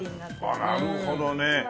あっなるほどね。